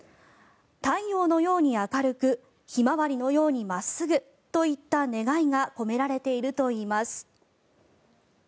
太陽のように明るくヒマワリのように真っすぐといった願いが込められているといいます。